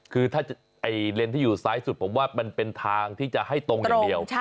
คือถ้าเลนส์ที่อยู่ซ้ายสุดผมว่ามันเป็นทางที่จะให้ตรงอย่างเดียว